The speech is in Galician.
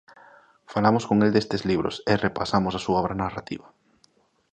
Falamos con el destes libros, e repasamos a súa obra narrativa.